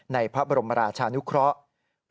ในพระบรมราชานุเคราะห์